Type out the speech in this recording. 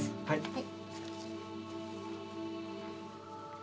はい。